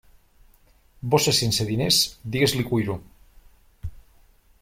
Bossa sense diners, digues-li cuiro.